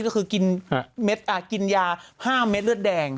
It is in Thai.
เบรคก่อนค่ะสักครู่นึง